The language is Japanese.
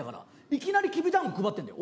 いきなりきび団子配ってんだよ？